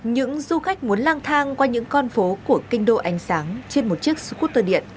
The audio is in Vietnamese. những du khách muốn lang thang qua những con phố của kinh đô ánh sáng trên một chiếc scooter điện